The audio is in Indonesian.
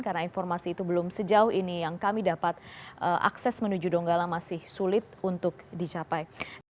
karena informasi itu belum sejauh ini yang kami dapat akses menuju donggala masih sulit untuk dicapai